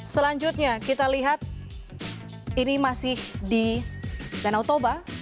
selanjutnya kita lihat ini masih di danau toba